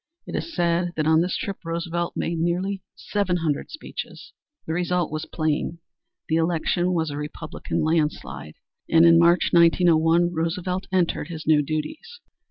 It is said that on this trip Roosevelt made nearly seven hundred speeches. The result was plain. The election was a Republican landslide, and in March, 1901, Roosevelt entered his new duties.